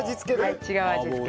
はい違う味付け。